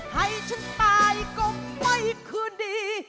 ให้ฉันตายก็ไม่คืนดี